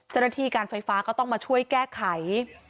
เจ้าหน้าที่การไฟฟ้าก็ต้องมาช่วยแก้ไข